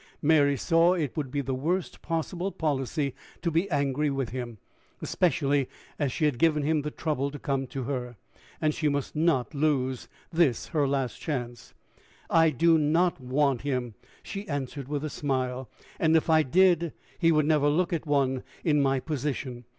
Mary saw it would be the worst possible policy to be angry with him, especially as she had given him the trouble to come to her, and she must not lose this her last chance. "I do not want him," she answered, with a smile; "and, if I did, he would never look at one in my position.